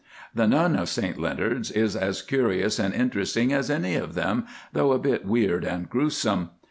The Nun of St Leonards is as curious and interesting as any of them, though a bit weird and gruesome.